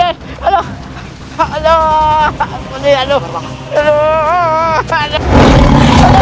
beep kayaknya heon